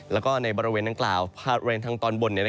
แล้วก็ในบริเวณดังกล่าวบริเวณทางตอนบน